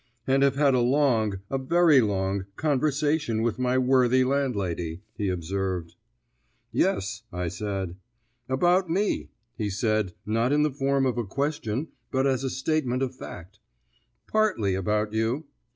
"And have had a long, a very long, conversation with my worthy landlady," he observed. "Yes," I said. "About me," he said, not in the form of a question but as a statement of fact. "Partly about you."